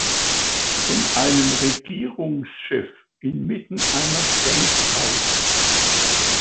Von einem Regierungschef, inmitten einer Denkpause.